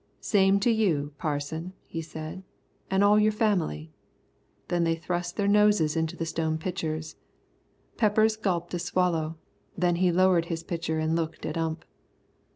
"Same to you, Parson," he said, "an' all your family." Then they thrust their noses into the stone pitchers. Peppers gulped a swallow, then he lowered his pitcher and looked at Ump.